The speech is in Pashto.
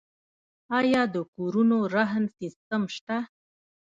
آیا د کورونو رهن سیستم شته؟